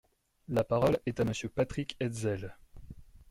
La parole est à Monsieur Patrick Hetzel.